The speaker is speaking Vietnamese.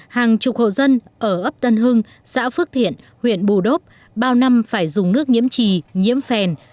hàng chục hộ dân ở ấp tân hưng xã phước thiện huyện bù đốp bao năm phải dùng nước nhiễm trì nhiễm phèn